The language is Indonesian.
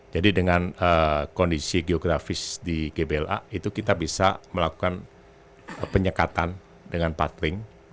jadi dengan kondisi geografis di gbla itu kita bisa melakukan penyekatan dengan empat ring